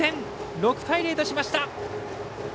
６対０としました。